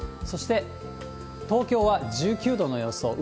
そして東京は１９度の予想。